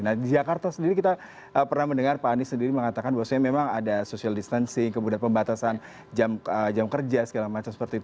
nah di jakarta sendiri kita pernah mendengar pak anies sendiri mengatakan bahwasanya memang ada social distancing kemudian pembatasan jam kerja segala macam seperti itu